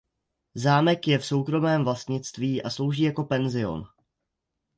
Zámek je v soukromém vlastnictví a slouží jako penzion.